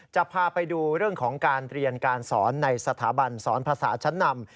จะพาไปดูเรื่องของการเรียนการสอนในสถาบันสอนภาษาชั้นนำ